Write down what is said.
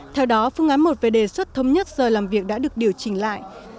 theo đó phương án một về đề xuất thống nhất giờ làm việc đã được điều chỉnh lại